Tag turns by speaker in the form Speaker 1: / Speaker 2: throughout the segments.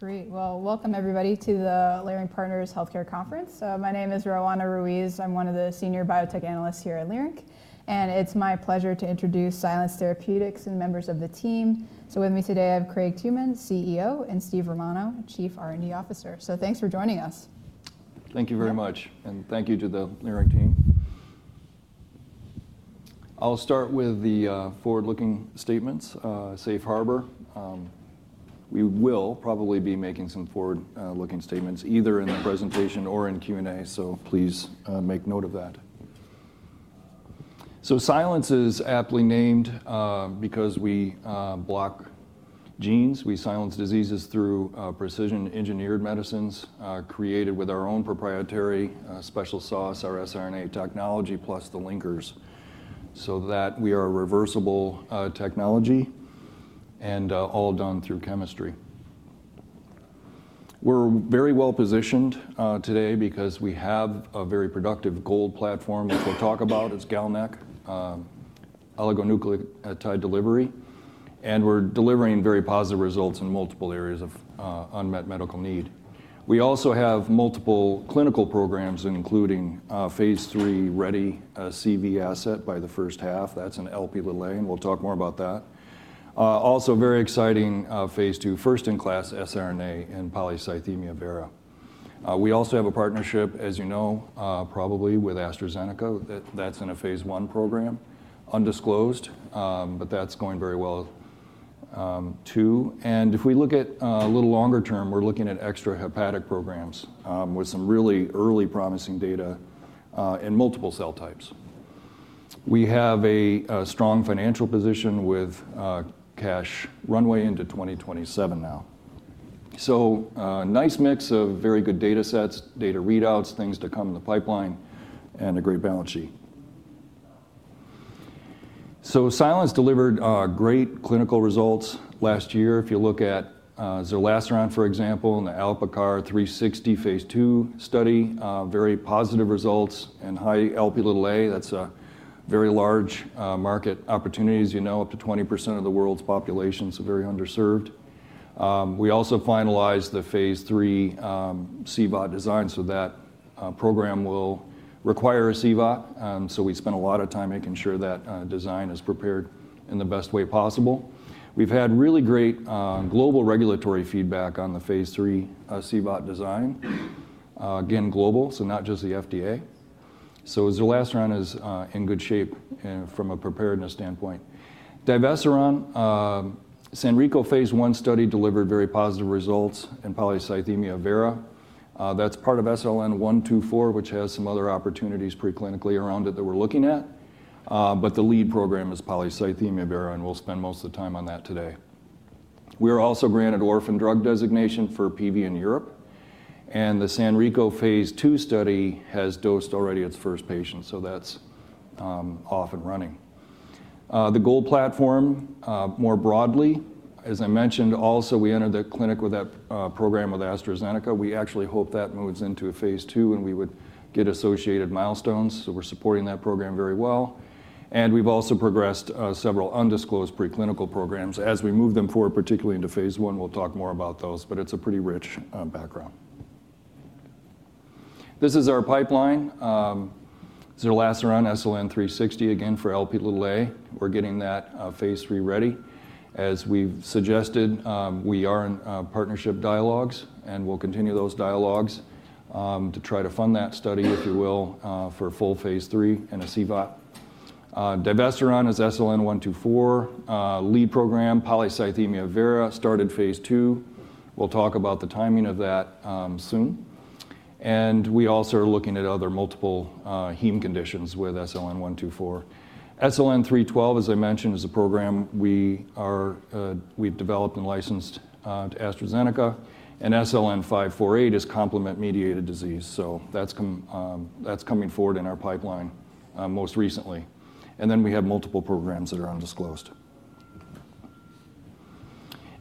Speaker 1: Great. Welcome everybody to the Leerink Partners Healthcare Conference. My name is Roanna Ruiz. I'm one of the Senior Biotech Analysts here at Leerink. It's my pleasure to introduce Silence Therapeutics and members of the team. With me today, I have Craig Tooman, CEO and Steve Romano, Chief R&D Officer. Thanks for joining us.
Speaker 2: Thank you very much. Thank you to the Leerink team. I'll start with the forward-looking statements. Safe harbor. We will probably be making some forward-looking statements, either in the presentation or in Q&A, so please make note of that. Silence is aptly named because we block genes. We silence diseases through precision-engineered medicines created with our own proprietary special sauce, our siRNA technology, plus the linkers, so that we are a reversible technology and all done through chemistry. We're very well positioned today because we have a very productive GOLD platform, which we'll talk about. It's GalNAc, oligonucleotide delivery. We're delivering very positive results in multiple areas of unmet medical need. We also have multiple clinical programs, including phase III-ready CV asset by the first half. That's an Lp(a) and we'll talk more about that. Also, very exciting phase II, first-in-class siRNA in polycythemia vera. We also have a partnership, as you know, probably, with AstraZeneca. That's in a phase I program, undisclosed, but that's going very well too. If we look at a little longer term, we're looking at extrahepatic programs with some really early promising data in multiple cell types. We have a strong financial position with cash runway into 2027 now. A nice mix of very good data sets, data readouts, things to come in the pipeline, and a great balance sheet. Silence delivered great clinical results last year. If you look at zerlasiran, for example, and the ALPACAR-360 phase II study, very positive results and high Lp(a). That's a very large market opportunity, as you know, up to 20% of the world's population, so very underserved. We also finalized the phase III CVOT design that program will require a CVOT. We spent a lot of time making sure that design is prepared in the best way possible. We've had really great global regulatory feedback on the phase III CVOT design, again, global, so not just the FDA. Zerlasiran is in good shape from a preparedness standpoint. Divesiran SANRECO phase I study delivered very positive results in polycythemia vera. That's part of SLN124, which has some other opportunities preclinically around it that we're looking at. The lead program is polycythemia vera, and we'll spend most of the time on that today. We were also granted orphan drug designation for PV in Europe. The SANRECO phase II study has dosed already its first patients, so that's off and running. The GOLD platform, more broadly, as I mentioned, also we entered the clinic with that program with AstraZeneca. We actually hope that moves into phase II and we would get associated milestones. We're supporting that program very well. We've also progressed several undisclosed preclinical programs. As we move them forward, particularly into phase I, we'll talk more about those, but it's a pretty rich background. This is our pipeline. Zerlasiran (SLN360) again, for Lp(a). We're getting that phase III ready. As we've suggested, we are in partnership dialogues, and we'll continue those dialogues to try to fund that study, if you will, for full phase III and a CVOT. Divesiran is SLN124, lead program, polycythemia vera, started phase II. We'll talk about the timing of that soon. We also are looking at other multiple heme conditions with SLN124. SLN312, as I mentioned, is a program we've developed and licensed to AstraZeneca. SLN548 is complement-mediated disease. That's coming forward in our pipeline most recently. We have multiple programs that are undisclosed.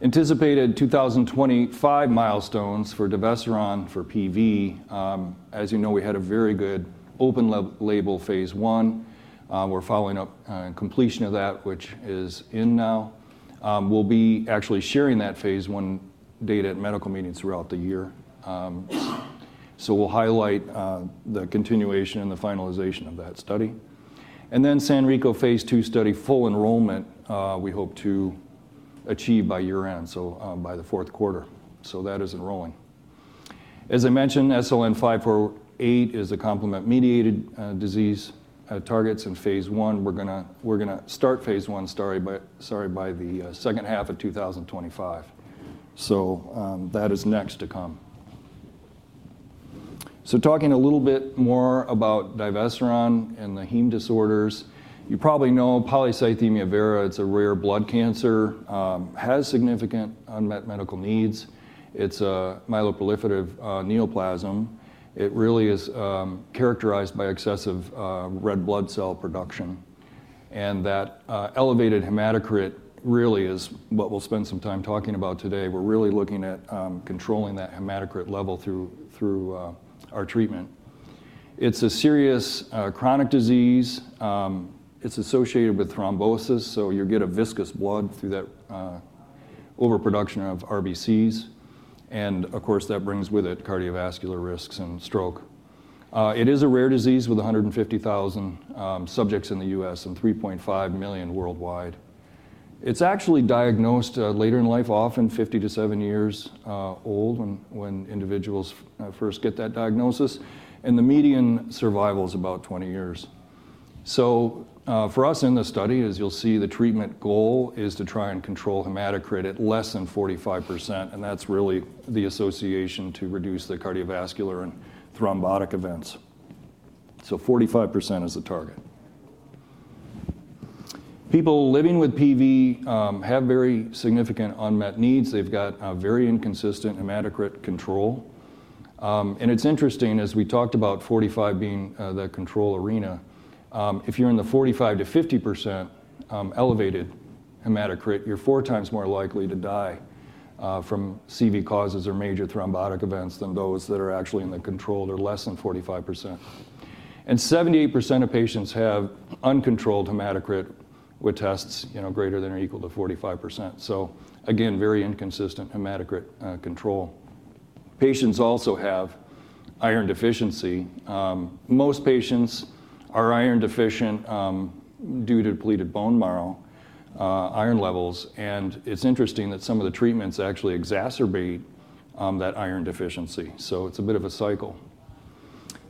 Speaker 2: Anticipated 2025 milestones for divesiran for PV. As you know, we had a very good open label phase I. We're following up completion of that, which is in now. We'll be actually sharing that phase I data at medical meetings throughout the year. We'll highlight the continuation and the finalization of that study. SANRECO phase II study, full enrollment, we hope to achieve by year-end, so by the fourth quarter. That is enrolling. As I mentioned, SLN548 is a complement-mediated disease target in phase I. We're going to start phase I, sorry, by the second half of 2025. That is next to come. Talking a little bit more about divesiran and the heme disorders, you probably know polycythemia vera, it's a rare blood cancer, has significant unmet medical needs. It's a myeloproliferative neoplasm. It really is characterized by excessive red blood cell production. That elevated hematocrit really is what we'll spend some time talking about today. We're really looking at controlling that hematocrit level through our treatment. It's a serious chronic disease. It's associated with thrombosis, so you get a viscous blood through that overproduction of RBCs. Of course, that brings with it cardiovascular risks and stroke. It is a rare disease with 150,000 subjects in the U.S. and 3.5 million worldwide. It's actually diagnosed later in life, often 50 to 70 years old when individuals first get that diagnosis. The median survival is about 20 years. For us in the study, as you'll see, the treatment goal is to try and control hematocrit at less than 45%. That's really the association to reduce the cardiovascular and thrombotic events. Forty-five percent is the target. People living with PV have very significant unmet needs. They've got very inconsistent hematocrit control. It's interesting, as we talked about 45 being the control arena, if you're in the 45%-50% elevated hematocrit, you're four times more likely to die from CV causes or major thrombotic events than those that are actually in the control, or less than 45%. Seventy-eight percent of patients have uncontrolled hematocrit with tests greater than or equal to 45%. Again, very inconsistent hematocrit control. Patients also have iron deficiency. Most patients are iron deficient due to depleted bone marrow iron levels. It's interesting that some of the treatments actually exacerbate that iron deficiency. It's a bit of a cycle.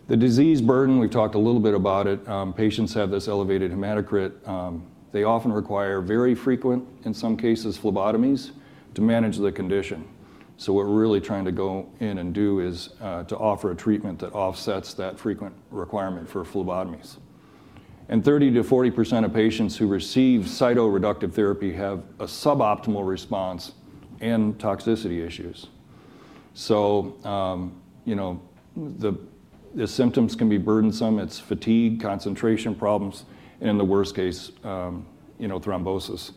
Speaker 2: The disease burden, we've talked a little bit about it. Patients have this elevated hematocrit. They often require very frequent, in some cases, phlebotomies to manage the condition. What we're really trying to go in and do is to offer a treatment that offsets that frequent requirement for phlebotomies. Thirty to 40% of patients who receive cytoreductive therapy have a suboptimal response and toxicity issues. The symptoms can be burdensome. It's fatigue, concentration problems, and in the worst case, thrombosis.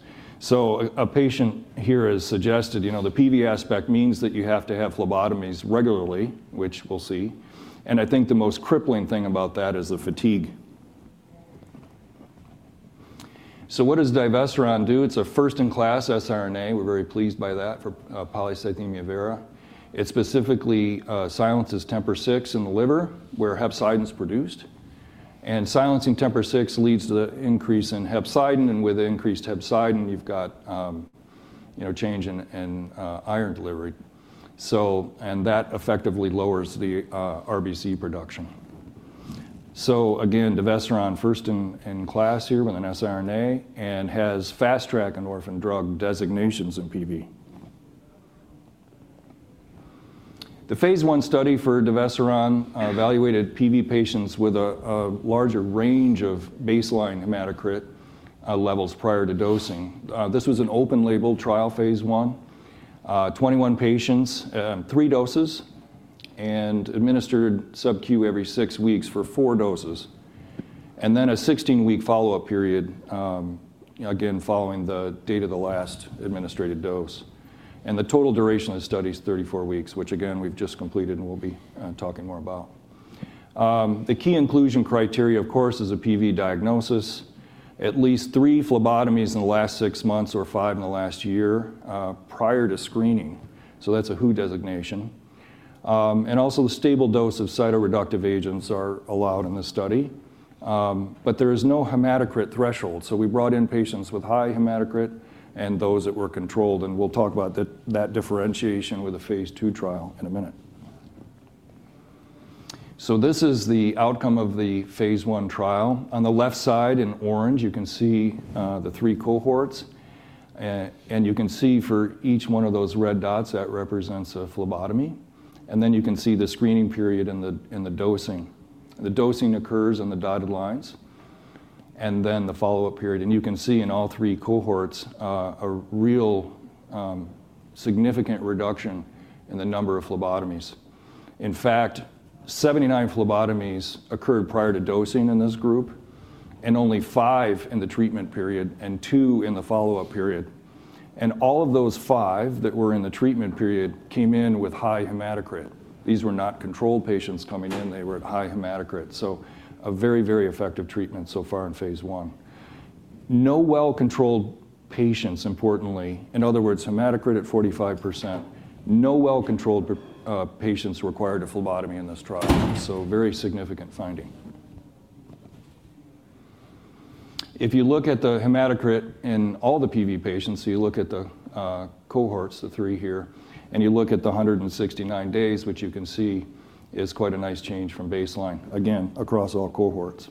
Speaker 2: A patient here has suggested, you know, the PV aspect means that you have to have phlebotomies regularly, which we'll see. I think the most crippling thing about that is the fatigue. What does divesiran do? It's a first-in-class siRNA. We're very pleased by that for polycythemia vera. It specifically silences TMPRSS6 in the liver, where hepcidin is produced. Silencing TMPRSS6 leads to the increase in hepcidin. With increased hepcidin, you've got change in iron delivery. That effectively lowers the RBC production. divesiran, first in class here with an siRNA, has fast-track and orphan drug designations in PV. The phase I study for divesiran evaluated PV patients with a larger range of baseline hematocrit levels prior to dosing. This was an open label trial, phase I, 21 patients, three doses, and administered subcu every six weeks for four doses. A 16-week follow-up period followed the date of the last administered dose. The total duration of the study is 34 weeks, which we've just completed and we'll be talking more about. The key inclusion criteria, of course, is a PV diagnosis, at least three phlebotomies in the last six months or five in the last year prior to screening that is a WHO designation. Also, the stable dose of cytoreductive agents are allowed in this study. There is no hematocrit threshold. We brought in patients with high hematocrit and those that were controlled. We will talk about that differentiation with a phase II trial in a minute. This is the outcome of the phase I trial. On the left side in orange, you can see the three cohorts. You can see for each one of those red dots, that represents a phlebotomy. You can see the screening period and the dosing. The dosing occurs in the dotted lines and then the follow-up period. You can see in all three cohorts a real significant reduction in the number of phlebotomies. In fact, 79 phlebotomies occurred prior to dosing in this group, and only five in the treatment period and two in the follow-up period. All of those five that were in the treatment period came in with high hematocrit. These were not controlled patients coming in. They were at high hematocrit. So a very, very effective treatment so far in phase I. No well-controlled patients, importantly. In other words, hematocrit at 45%, no well-controlled patients required a phlebotomy in this trial. A very significant finding. If you look at the hematocrit in all the PV patients, you look at the cohorts, the three here, and you look at the 169 days, which you can see is quite a nice change from baseline, again, across all cohorts.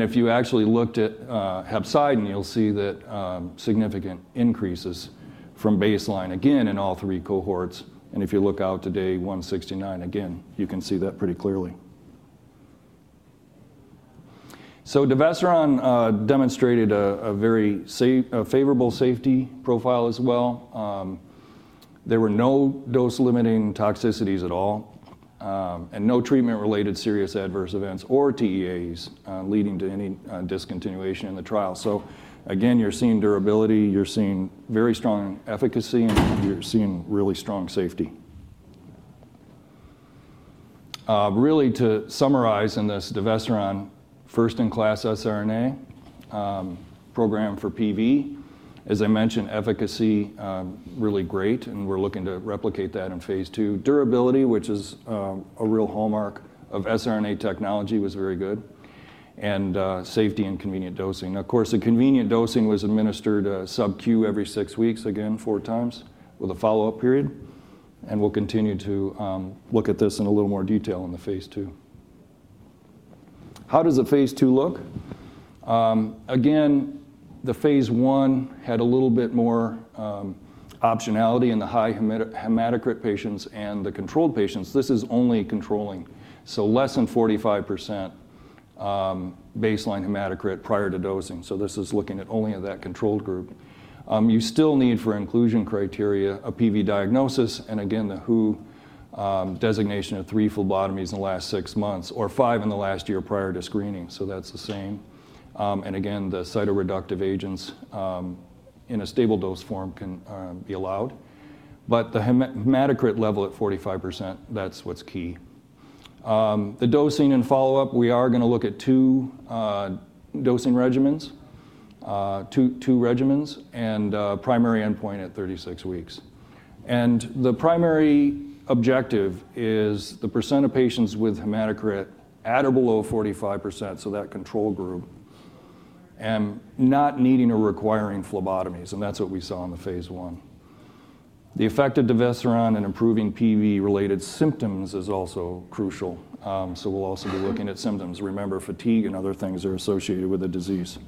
Speaker 2: If you actually looked at hepcidin, you'll see that significant increases from baseline, again, in all three cohorts. If you look out to day 169, again, you can see that pretty clearly. Divesiran demonstrated a very favorable safety profile as well. There were no dose-limiting toxicities at all and no treatment-related serious adverse events or TEAEs leading to any discontinuation in the trial. You're seeing durability, you're seeing very strong efficacy, and you're seeing really strong safety. Really, to summarize in this divesiran first-in-class siRNA program for PV, as I mentioned, efficacy really great, and we're looking to replicate that in phase II. Durability, which is a real hallmark of siRNA technology, was very good and safety and convenient dosing. Of course, the convenient dosing was administered subcu every six weeks, again, four times with a follow-up period. We'll continue to look at this in a little more detail in the phase II. How does the phase II look? Again, the phase I had a little bit more optionality in the high hematocrit patients and the controlled patients. This is only controlling, so less than 45% baseline hematocrit prior to dosing. This is looking at only that controlled group. You still need for inclusion criteria a PV diagnosis and again, the WHO designation of three phlebotomies in the last six months or five in the last year prior to screening. That's the same. Again, the cytoreductive agents in a stable dose form can be allowed. The hematocrit level at 45%, that's what's key. The dosing and follow-up, we are going to look at two dosing regimens, two regimens, and primary endpoint at 36 weeks. The primary objective is the percent of patients with hematocrit at or below 45%, so that control group, and not needing or requiring phlebotomies. That is what we saw in the phase I. The effect of divesiran in improving PV-related symptoms is also crucial. We will also be looking at symptoms. Remember, fatigue and other things are associated with the disease.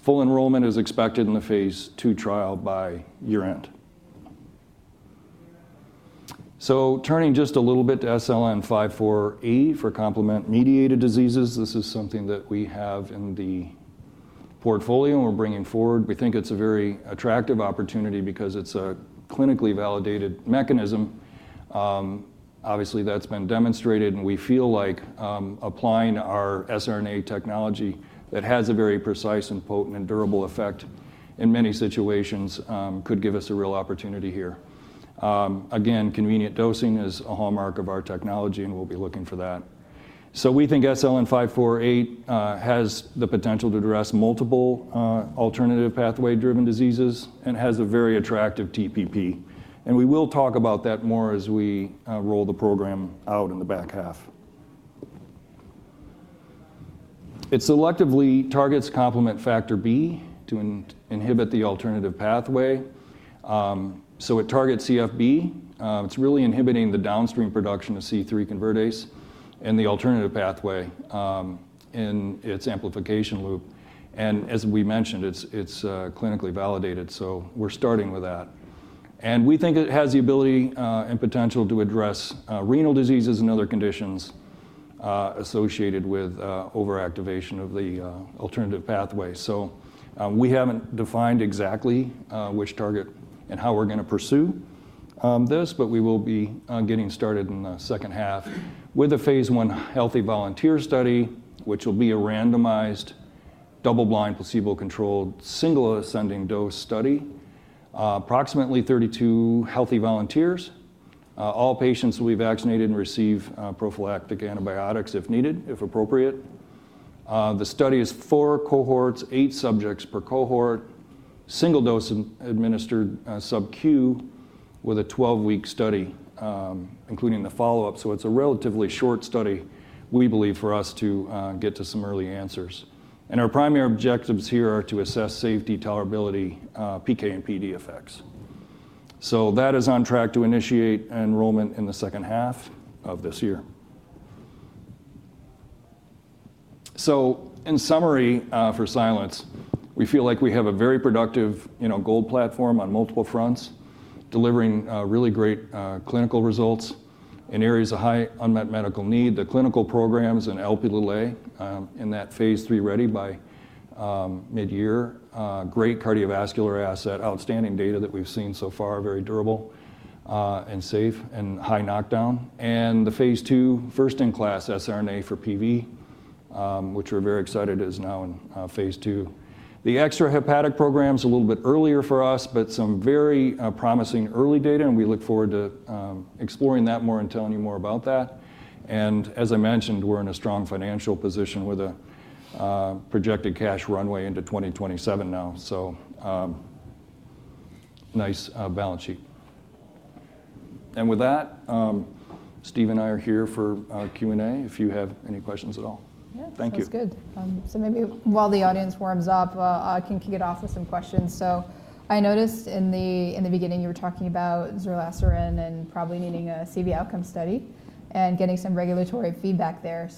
Speaker 2: Full enrollment is expected in the phase II trial by year-end. Turning just a little bit to SLN548 for complement-mediated diseases, this is something that we have in the portfolio and we are bringing forward. We think it is a very attractive opportunity because it is a clinically validated mechanism. Obviously, that has been demonstrated, and we feel like applying our siRNA technology that has a very precise and potent and durable effect in many situations could give us a real opportunity here. Again, convenient dosing is a hallmark of our technology, and we'll be looking for that. We think SLN548 has the potential to address multiple alternative pathway-driven diseases and has a very attractive TPP. We will talk about that more as we roll the program out in the back half. It selectively targets complement factor B to inhibit the alternative pathway. It targets CFB. It's really inhibiting the downstream production of C3 convertase and the alternative pathway in its amplification loop. As we mentioned, it's clinically validated. We're starting with that. We think it has the ability and potential to address renal diseases and other conditions associated with overactivation of the alternative pathway. We haven't defined exactly which target and how we're going to pursue this, but we will be getting started in the second half with a phase I healthy volunteer study, which will be a randomized double-blind placebo-controlled single ascending dose study, approximately 32 healthy volunteers. All patients will be vaccinated and receive prophylactic antibiotics if needed, if appropriate. The study is four cohorts, eight subjects per cohort, single dose administered subcu with a 12-week study, including the follow-up. It is a relatively short study, we believe, for us to get to some early answers. Our primary objectives here are to assess safety, tolerability, PK and PD effects. That is on track to initiate enrollment in the second half of this year. In summary for Silence, we feel like we have a very productiveGOLD platform on multiple fronts, delivering really great clinical results in areas of high unmet medical need. The clinical programs and Lp(a) in that phase III ready by mid-year, great cardiovascular asset, outstanding data that we've seen so far, very durable and safe and high knockdown. The phase II first-in-class siRNA for PV, which we're very excited is now in phase II. The extrahepatic program is a little bit earlier for us, but some very promising early data. We look forward to exploring that more and telling you more about that. As I mentioned, we're in a strong financial position with a projected cash runway into 2027 now. Nice balance sheet. With that, Steve and I are here for Q&A if you have any questions at all.
Speaker 1: Yeah, that sounds good. Maybe while the audience warms up, I can kick it off with some questions. I noticed in the beginning you were talking about zerlasiran and probably needing a CV outcome study and getting some regulatory feedback there.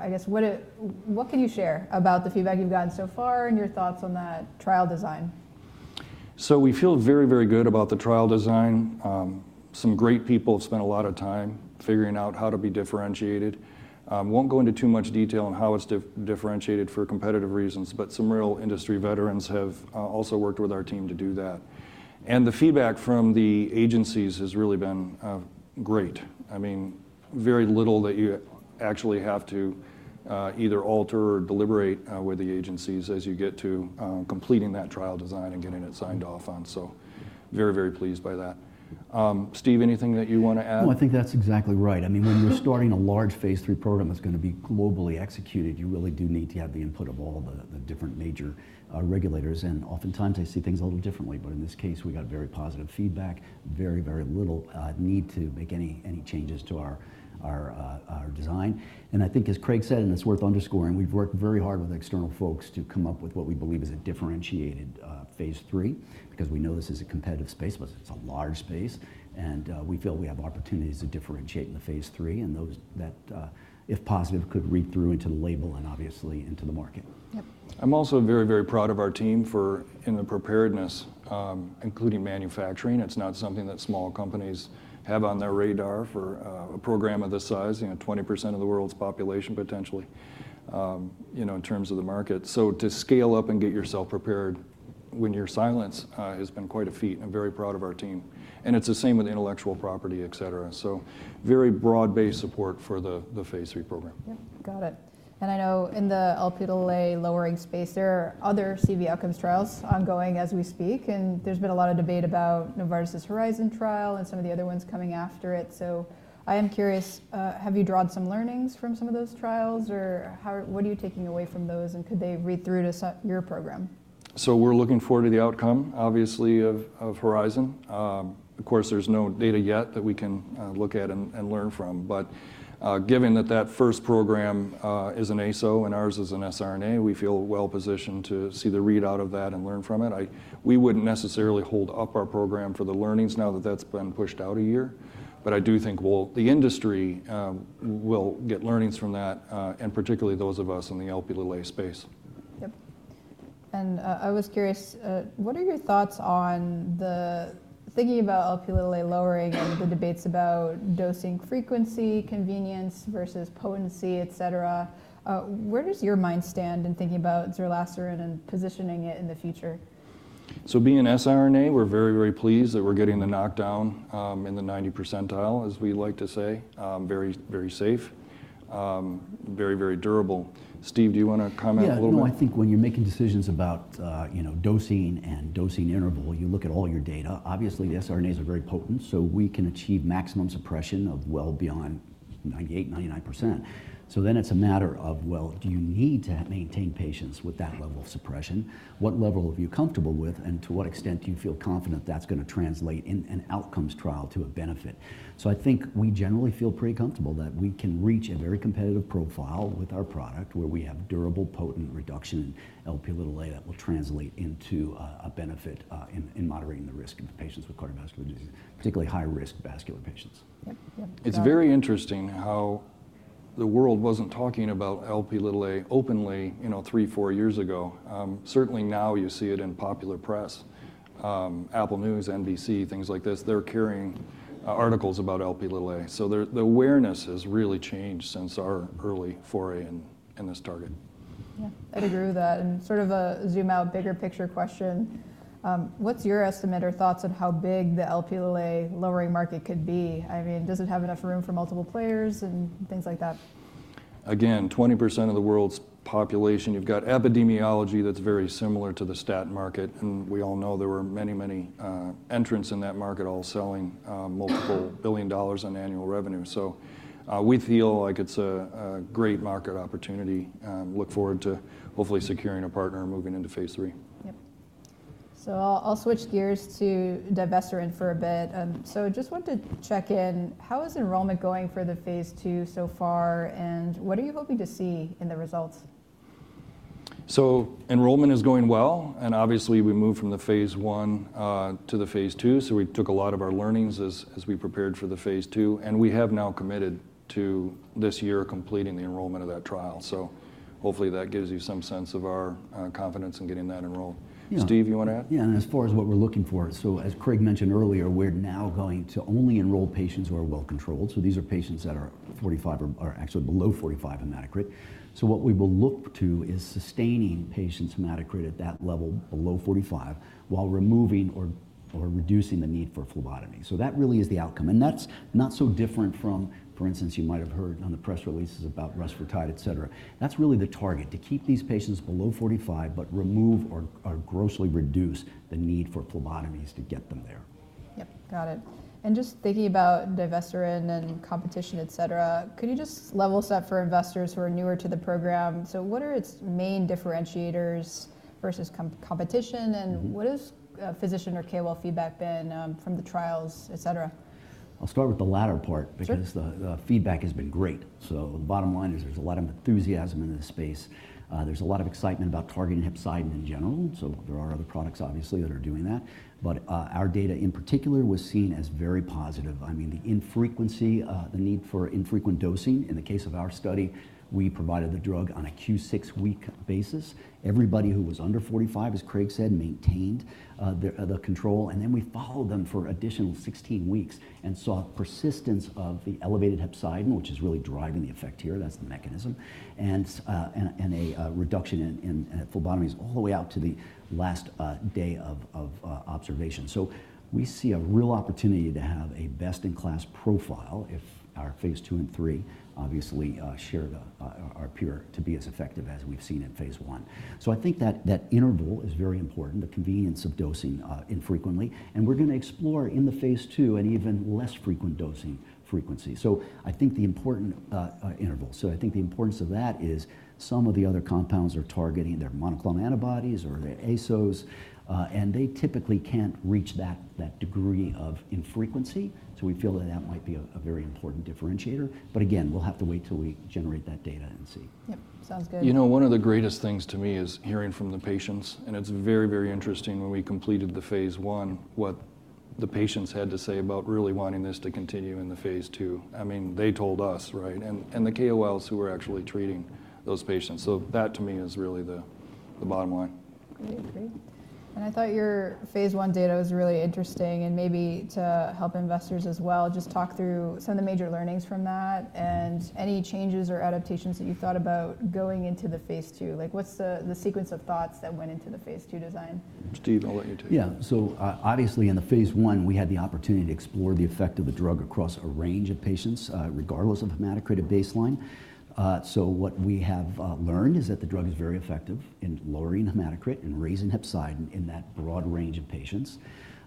Speaker 1: I guess what can you share about the feedback you've gotten so far and your thoughts on that trial design?
Speaker 2: We feel very, very good about the trial design. Some great people have spent a lot of time figuring out how to be differentiated. I will not go into too much detail on how it is differentiated for competitive reasons, but some real industry veterans have also worked with our team to do that. The feedback from the agencies has really been great. I mean, very little that you actually have to either alter or deliberate with the agencies as you get to completing that trial design and getting it signed off on. Very, very pleased by that. Steve, anything that you want to add?
Speaker 3: I think that's exactly right. I mean, when you're starting a large phase III program that's going to be globally executed, you really do need to have the input of all the different major regulators. Oftentimes I see things a little differently, but in this case, we got very positive feedback, very, very little need to make any changes to our design. I think, as Craig said, and it's worth underscoring, we've worked very hard with external folks to come up with what we believe is a differentiated phase III because we know this is a competitive space, but it's a large space. We feel we have opportunities to differentiate in the phase III and those that, if positive, could read through into the label and obviously into the market.
Speaker 1: Yep.
Speaker 2: I'm also very, very proud of our team for the preparedness, including manufacturing. It's not something that small companies have on their radar for a program of this size, 20% of the world's population potentially in terms of the market. To scale up and get yourself prepared when you're Silence has been quite a feat. I'm very proud of our team. It's the same with intellectual property, et cetera. Very broad-based support for the phase III program.
Speaker 1: Yep, got it. I know in the Lp(a) lowering space, there are other CV outcomes trials ongoing as we speak. There's been a lot of debate about Novartis's HORIZON trial and some of the other ones coming after it. I am curious, have you drawn some learnings from some of those trials or what are you taking away from those and could they read through to your program?
Speaker 2: We are looking forward to the outcome, obviously, of HORIZON. Of course, there is no data yet that we can look at and learn from. Given that that first program is an ASO and ours is an siRNA, we feel well positioned to see the readout of that and learn from it. We would not necessarily hold up our program for the learnings now that that has been pushed out a year. I do think the industry will get learnings from that, and particularly those of us in the Lp(a) space.
Speaker 1: Yep. I was curious, what are your thoughts on thinking about Lp(a) lowering and the debates about dosing frequency, convenience versus potency, et cetera? Where does your mind stand in thinking about zerlasiran and positioning it in the future?
Speaker 2: Being an siRNA, we're very, very pleased that we're getting the knockdown in the 90% percentile, as we like to say. Very, very safe, very, very durable. Steve, do you want to comment a little bit?
Speaker 3: Yeah, I think when you're making decisions about dosing and dosing interval, you look at all your data. Obviously, the siRNAs are very potent, so we can achieve maximum suppression of well beyond 98-99%. It is a matter of, do you need to maintain patients with that level of suppression? What level are you comfortable with, and to what extent do you feel confident that's going to translate in an outcomes trial to a benefit? I think we generally feel pretty comfortable that we can reach a very competitive profile with our product where we have durable, potent reduction in Lp(a) that will translate into a benefit in moderating the risk of patients with cardiovascular disease, particularly high-risk vascular patients.
Speaker 1: Yep, yep.
Speaker 2: It's very interesting how the world wasn't talking about Lp(a) openly three, four years ago. Certainly now you see it in popular press, Apple News, NBC, things like this. They're carrying articles about Lp(a). The awareness has really changed since our early foray in this target. Yeah, I'd agree with that. Sort of a zoom-out, bigger picture question. What's your estimate or thoughts on how big the Lp(a) lowering market could be? I mean, does it have enough room for multiple players and things like that? Again, 20% of the world's population. You've got epidemiology that's very similar to the statin market. We all know there were many, many entrants in that market all selling multiple billion dollars in annual revenue. We feel like it's a great market opportunity. Look forward to hopefully securing a partner and moving into phase III.
Speaker 1: Yep. I'll switch gears to divesiran for a bit. I just wanted to check in. How is enrollment going for the phase II so far, and what are you hoping to see in the results?
Speaker 2: Enrollment is going well. Obviously, we moved from the phase I to the phase II. We took a lot of our learnings as we prepared for the phase II. We have now committed to this year completing the enrollment of that trial. Hopefully that gives you some sense of our confidence in getting that enrolled. Steve, you want to add?
Speaker 3: Yeah, and as far as what we're looking for, as Craig mentioned earlier, we're now going to only enroll patients who are well controlled. These are patients that are 45 or actually below 45 hematocrit. What we will look to is sustaining patients' hematocrit at that level below 45% while removing or reducing the need for phlebotomy. That really is the outcome. That's not so different from, for instance, you might have heard on the press releases about respiratory, et cetera. That's really the target, to keep these patients below 45%, but remove or grossly reduce the need for phlebotomies to get them there.
Speaker 1: Yep, got it. Just thinking about divesiran and competition, et cetera, could you just level set for investors who are newer to the program? What are its main differentiators versus competition, and what has physician or KOL feedback been from the trials, et cetera?
Speaker 3: I'll start with the latter part because the feedback has been great. The bottom line is there's a lot of enthusiasm in this space. There's a lot of excitement about targeting hepcidin in general. There are other products, obviously, that are doing that. Our data in particular was seen as very positive. I mean, the infrequency, the need for infrequent dosing in the case of our study, we provided the drug on a Q6 week basis. Everybody who was under 45%, as Craig said, maintained the control. We followed them for an additional 16 weeks and saw persistence of the elevated hepcidin, which is really driving the effect here. That's the mechanism. A reduction in phlebotomies all the way out to the last day of observation. We see a real opportunity to have a best-in-class profile if our phase II and III obviously share our peer to be as effective as we've seen in phase I. I think that that interval is very important, the convenience of dosing infrequently. We're going to explore in the phase II an even less frequent dosing frequency. I think the important interval, I think the importance of that is some of the other compounds are targeting their monoclonal antibodies or their ASOs, and they typically can't reach that degree of infrequency. We feel that that might be a very important differentiator. Again, we'll have to wait till we generate that data and see.
Speaker 1: Yep, sounds good.
Speaker 2: You know, one of the greatest things to me is hearing from the patients. And it's very, very interesting when we completed the phase I, what the patients had to say about really wanting this to continue in the phase II. I mean, they told us, right? And the KOLs who were actually treating those patients. So that to me is really the bottom line.
Speaker 1: I agree. I thought your phase I data was really interesting. Maybe to help investors as well, just talk through some of the major learnings from that and any changes or adaptations that you thought about going into the phase II. Like what's the sequence of thoughts that went into the phase II design?
Speaker 2: Steve, I'll let you take it.
Speaker 3: Yeah, so obviously in the phase I, we had the opportunity to explore the effect of the drug across a range of patients, regardless of hematocrit at baseline. What we have learned is that the drug is very effective in lowering hematocrit and raising hepcidin in that broad range of patients.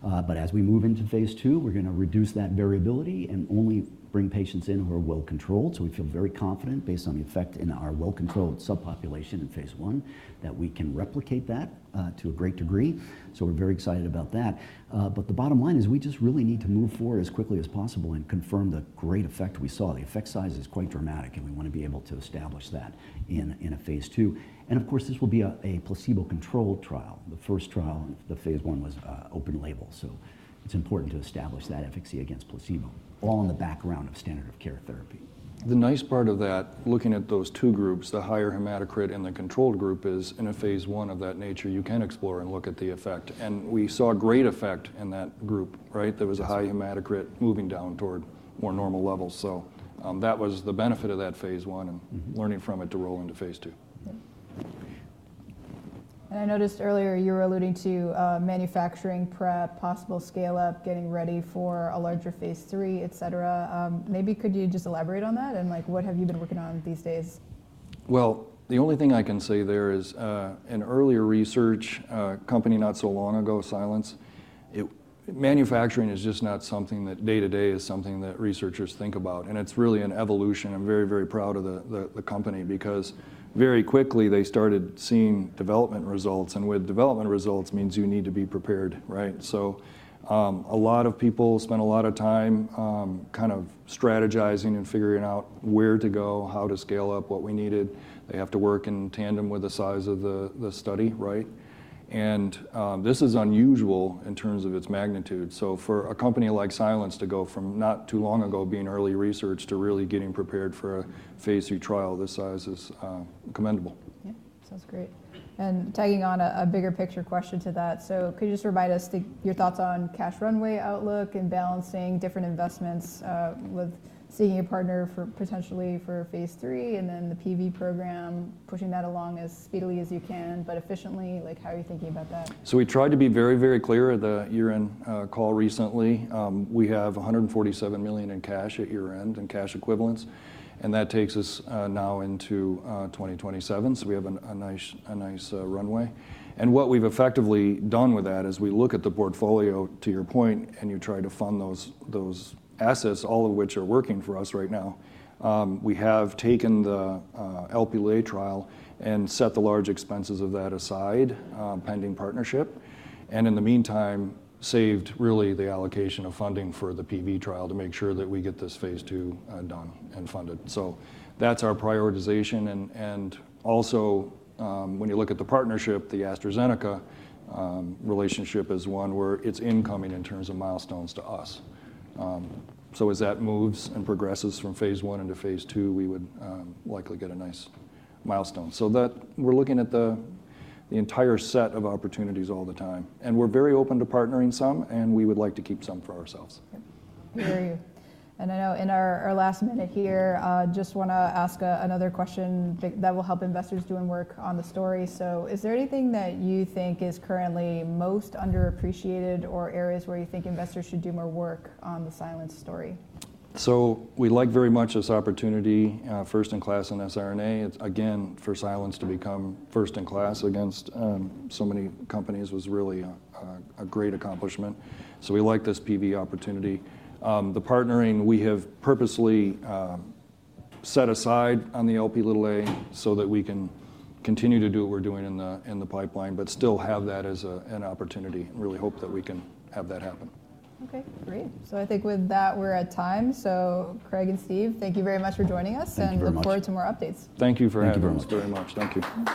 Speaker 3: As we move into phase II, we're going to reduce that variability and only bring patients in who are well controlled. We feel very confident based on the effect in our well-controlled subpopulation in phase I that we can replicate that to a great degree. We're very excited about that. The bottom line is we just really need to move forward as quickly as possible and confirm the great effect we saw. The effect size is quite dramatic, and we want to be able to establish that in a phase II. This will be a placebo-controlled trial. The first trial in the phase I was open label. So it's important to establish that efficacy against placebo, all in the background of standard of care therapy.
Speaker 2: The nice part of that, looking at those two groups, the higher hematocrit and the controlled group is in a phase I of that nature, you can explore and look at the effect. We saw great effect in that group, right? There was a high hematocrit moving down toward more normal levels. That was the benefit of that phase I and learning from it to roll into phase II.
Speaker 1: I noticed earlier you were alluding to manufacturing prep, possible scale-up, getting ready for a larger phase III, et cetera. Maybe could you just elaborate on that and what have you been working on these days?
Speaker 2: The only thing I can say there is in earlier research, a company not so long ago, Silence, manufacturing is just not something that day-to-day is something that researchers think about. It is really an evolution. I'm very, very proud of the company because very quickly they started seeing development results. With development results means you need to be prepared, right? A lot of people spent a lot of time kind of strategizing and figuring out where to go, how to scale up what we needed. They have to work in tandem with the size of the study, right? This is unusual in terms of its magnitude. For a company like Silence to go from not too long ago being early research to really getting prepared for a phase II trial, this size is commendable.
Speaker 1: Yep, sounds great. Tagging on a bigger picture question to that, could you just remind us your thoughts on cash runway outlook and balancing different investments with seeking a partner potentially for phase III and then the PV program, pushing that along as speedily as you can, but efficiently? Like how are you thinking about that?
Speaker 2: We tried to be very, very clear at the year-end call recently. We have $147 million in cash at year-end and cash equivalents. That takes us now into 2027. We have a nice runway. What we've effectively done with that is we look at the portfolio to your point and you try to fund those assets, all of which are working for us right now. We have taken the Lp(a) trial and set the large expenses of that aside, pending partnership. In the meantime, saved really the allocation of funding for the PV trial to make sure that we get this phase II done and funded. That's our prioritization and also, when you look at the partnership, the AstraZeneca relationship is one where it's incoming in terms of milestones to us. As that moves and progresses from phase I into phase II, we would likely get a nice milestone. We are looking at the entire set of opportunities all the time. We are very open to partnering some, and we would like to keep some for ourselves.
Speaker 1: I hear you. I know in our last minute here, just want to ask another question that will help investors doing work on the story. Is there anything that you think is currently most underappreciated or areas where you think investors should do more work on the Silence story?
Speaker 2: We like very much this opportunity, first in class in siRNA. Again, for Silence to become first in class against so many companies was really a great accomplishment. We like this PV opportunity. The partnering we have purposely set aside on the Lp(a) so that we can continue to do what we're doing in the pipeline, but still have that as an opportunity and really hope that we can have that happen.
Speaker 1: Okay, great. I think with that, we're at time. Craig and Steve, thank you very much for joining us and look forward to more updates.
Speaker 2: Thank you for having us very much. Thank you.